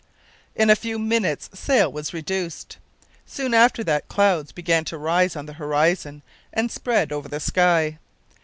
In a few minutes sail was reduced. Soon after that clouds began to rise on the horizon and spread over the sky.